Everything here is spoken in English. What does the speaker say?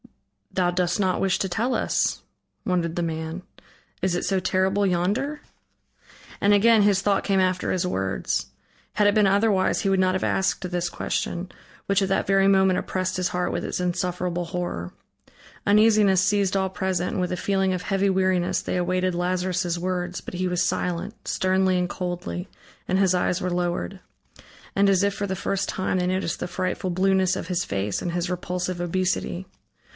"Thou dost not wish to tell us," wondered the man, "is it so terrible yonder?" And again his thought came after his words. Had it been otherwise, he would not have asked this question, which at that very moment oppressed his heart with its insufferable horror. Uneasiness seized all present, and with a feeling of heavy weariness they awaited Lazarus' words, but he was silent, sternly and coldly, and his eyes were lowered. And as if for the first time, they noticed the frightful blueness of his face and his repulsive obesity.